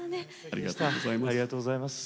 ありがとうございます。